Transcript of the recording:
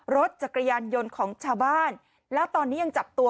รถจักรยานยนต์ของชาวบ้านแล้วตอนนี้ยังจับตัว